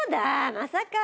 まさか。